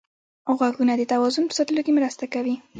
غوږونه د توازن په ساتلو کې مرسته کوي